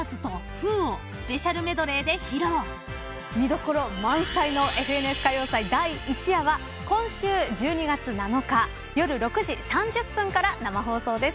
見どころ満載の『ＦＮＳ歌謡祭』第１夜は今週１２月７日夜６時３０分から生放送です。